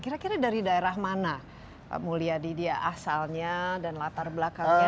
kira kira dari daerah mana pak mulyadi dia asalnya dan latar belakangnya